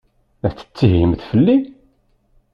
La tettihimt fell-i?